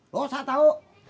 lu usah tahu